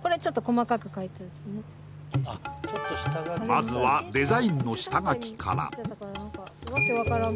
これちょっと細かく描いといてねまずはデザインの下書きから訳分からん